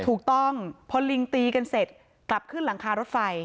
เพชาเขนจอดก็พอลิงตีกันเสร็จกลับขึ้นหลังค้ารถไฟ